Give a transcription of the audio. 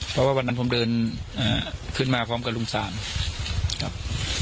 เพราะว่าวันนั้นผมเดินขึ้นมาพร้อมกับลุงสามครับ